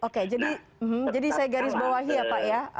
oke jadi saya garis bawahi ya pak ya